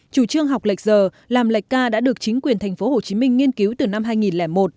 chủ trương học lệch giờ làm lệch ca đã được chính quyền tp hcm nghiên cứu từ năm hai nghìn một